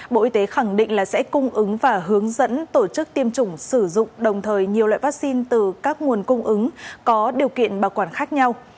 bộ y tế khẳng định là sẽ cung ứng và hướng dẫn tổ chức tiêm chủng sử dụng đồng thời nhiều loại vaccine từ các nguồn cung ứng có điều kiện bảo quản khác nhau